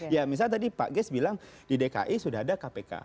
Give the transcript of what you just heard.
ya misalnya tadi pak ges bilang di dki sudah ada kpk